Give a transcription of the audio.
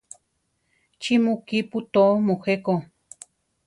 ¿Chí mu kípu tóo mujé ko?